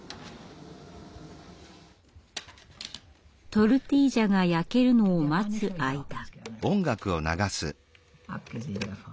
トルティージャが焼けるのを待つ間。